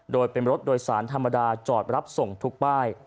โดยเป็นรถโดยสารธรรมดาจอดรับส่งทุกป้าย